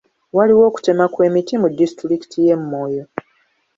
Waliwo okutema kw'emiti mu disitulikiti y'e Moyo.